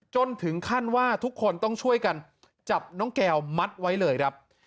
จนถึงขั้นว่าทุกคนต้องช่วยกันจับน้องแก้วมัดไว้เลยครับ